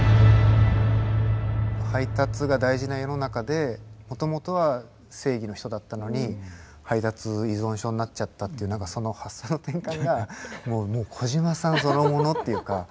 配達が大事な世の中でもともとは正義の人だったのに配達依存症になっちゃったっていう何かその発想の転換がもう小島さんそのものっていうか。